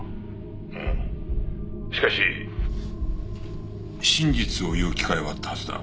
「うん」しかし真実を言う機会はあったはずだ。